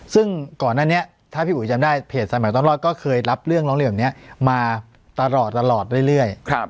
ซึ่งก่อนหน้านี้ถ้าพี่อุ๋ยจำได้เพจสายใหม่ต้องรอดก็เคยรับเรื่องร้องเรียนแบบนี้มาตลอดเรื่อย